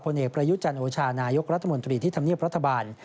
เอกประยุจันโอชานายกรัฐมนตรีที่ทำเนียบรัฐบาล